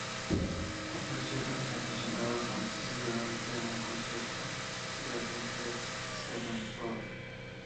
Ofreció a los aficionados antes y durante un concierto de Avenged Sevenfold.